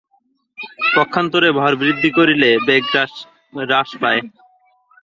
পক্ষান্তরে ভর বৃদ্ধি করিলে বেগ হ্রাস পায়।